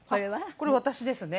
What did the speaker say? これ私ですね。